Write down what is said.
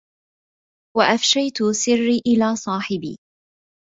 وأفشيت سري إلى صاحب